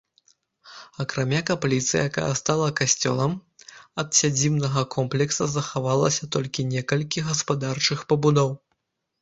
Акрамя капліцы якая стала касцёлам, ад сядзібнага комплекса захавалася толькі некалькі гаспадарчых пабудоў.